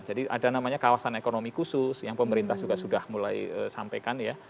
jadi ada namanya kawasan ekonomi khusus yang pemerintah juga sudah mulai sampaikan ya